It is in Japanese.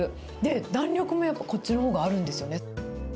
弾力もやっぱ、こっちのほうがあるんですよね。